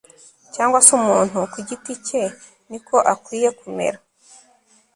cyangwa se umuntu ku giti cye niko akwiye kumera